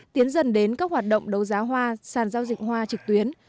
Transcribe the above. tiến dần đến các hoạt động đấu giá hoa sàn giao dịch hoa trực tuyến